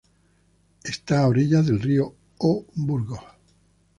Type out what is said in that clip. Esta a orillas del ría de O Burgo.